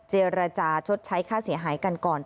เจรจาชดใช้ค่าเสียหายกันก่อน